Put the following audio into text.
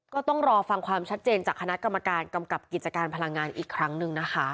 ก็ต้องรอฟังความชัดเจนจากคณะกรรมการกำกับกิจการพลังงานอีกครั้งหนึ่งนะคะ